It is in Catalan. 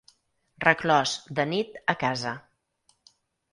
Reclòs, de nit, a casa.